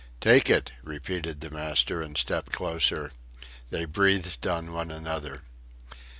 "Take it," repeated the master, and stepped closer; they breathed on one another.